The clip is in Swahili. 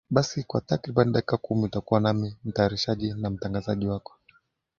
basi kwa takriban dakika kumi utakuwa nami mtatayarishaji na mtangazaji wako